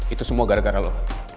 itu semua gara gara loh